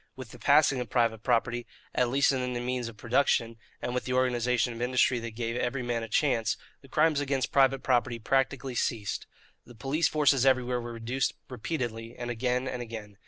With the passing of private property, at least in the means of production, and with the organization of industry that gave every man a chance, the crimes against private property practically ceased. The police forces everywhere were reduced repeatedly and again and again.